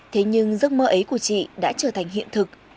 thế nhưng giấc mơ ấy của chị đã trở thành hiện thực